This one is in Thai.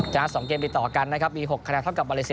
จากนั้น๒เกมไปต่อกันนะครับมี๖คะแนนเท่ากับปฏิเสธ